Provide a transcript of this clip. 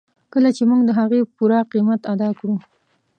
کله چې موږ د هغې پوره قیمت ادا کړو.